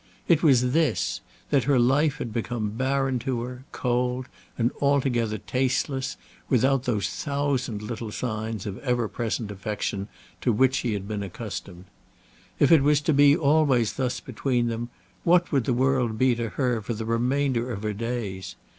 It was this, that her life had become barren to her, cold, and altogether tasteless without those thousand little signs of ever present affection to which she had been accustomed. If it was to be always thus between them, what would the world be to her for the remainder of her days?